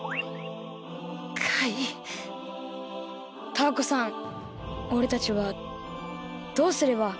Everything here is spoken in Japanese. タアコさんおれたちはどうすれば？